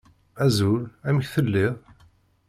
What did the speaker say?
Azul! Amek telliḍ?